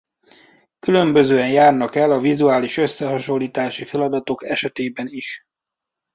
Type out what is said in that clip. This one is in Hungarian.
Különbözően járnak el a vizuális összehasonlítási feladatok esetében is.